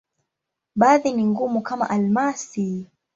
Baadhi ni ngumu, kama almasi.